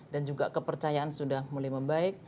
dan juga kepercayaan sudah mulai membaik